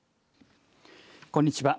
こんにちは。